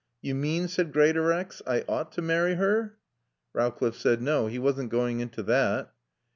"Yo mane," said Greatorex, "I ought to marry her?" Rowcliffe said no, he wasn't going into that.